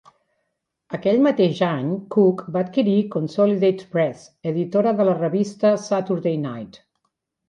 Aquell mateix any, Cooke va adquirir Consolidated Press, editora de la revista "Saturday Night".